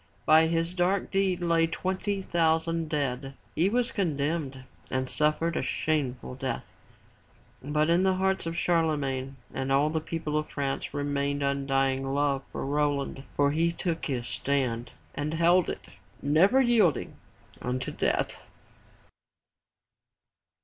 By his dark deed lay twenty thousand dead. He was condemned and suffered a shameful death. But in the hearts of Charlemagne and all the people of France remained undying love for Roland, for he took his stand, and held it, never yielding, unto death.